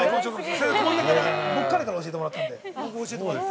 僕、彼から教えてもらったんで。